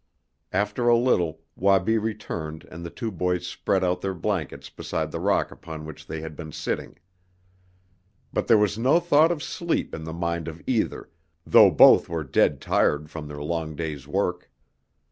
After a little Wabi returned and the two boys spread out their blankets beside the rock upon which they had been sitting. But there was no thought of sleep in the mind of either, though both were dead tired from their long day's work.